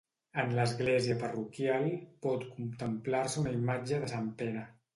En l'església parroquial pot contemplar-se una imatge de Sant Pere.